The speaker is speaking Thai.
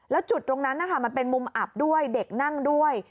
แล้วจุดตรงนั้นนะคะมันเป็นมุมอับด้วยเด็กนั่งด้วย